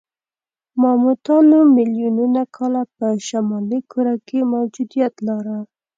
ماموتانو میلیونونه کاله په شمالي کره کې موجودیت لاره.